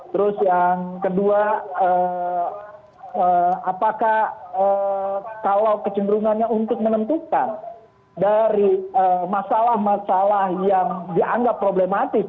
terus yang kedua apakah kalau kecenderungannya untuk menentukan dari masalah masalah yang dianggap problematik